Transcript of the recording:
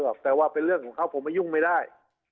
แต่ว่าเป็นเรื่องของเขาผมไม่ยุ่งไม่ได้